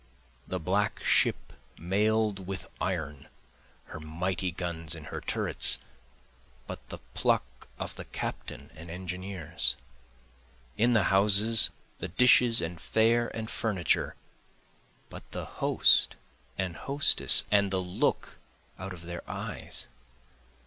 The black ship mail'd with iron, her mighty guns in her turrets but the pluck of the captain and engineers? In the houses the dishes and fare and furniture but the host and hostess, and the look out of their eyes?